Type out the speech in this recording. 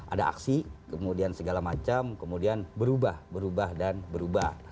ada aksi kemudian segala macam kemudian berubah berubah dan berubah